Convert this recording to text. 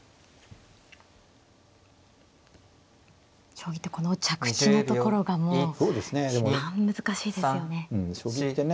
将棋ってこの着地のところがもう一番難しいですよね。